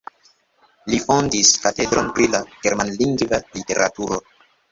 Li fondis katedron pri la germanlingva literaturo.